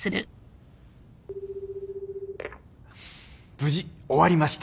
無事終わりました。